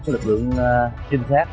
lực lượng trinh sát